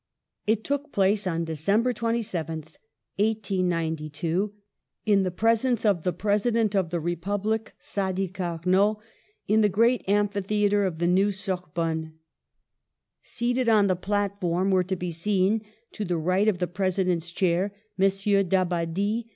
It took place on December 27th, 1892, in the presence of the President of the Republic, Sadi Carnot, in the great amphitheatre of the new Sorbonne. Seated on the platform were to be seen, to the right of the President's chair, Messrs. d'Ab badie.